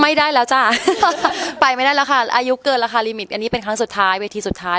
ไม่ได้แล้วจ้ะไปไม่ได้แล้วค่ะอายุเกินราคาลิมิตอันนี้เป็นครั้งสุดท้ายเวทีสุดท้าย